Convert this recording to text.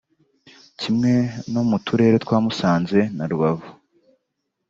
kimwe no mu turere twa Musanze na Rubavu